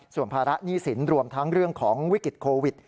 ส่วนภาระหนี้สินรวมทั้งเรื่องของวิกฤตโควิด